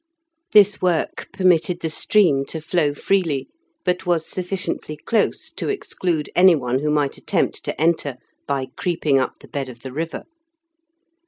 This work permitted the stream to flow freely, but was sufficiently close to exclude any one who might attempt to enter by creeping up the bed of the river.